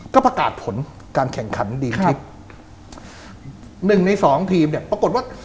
ก็ประกาศผลการแข่งขันดีพลิกหนึ่งในสองทีมเนี่ยปรากฏว่า